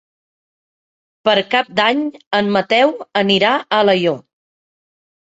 Per Cap d'Any en Mateu anirà a Alaior.